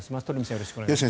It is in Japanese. よろしくお願いします。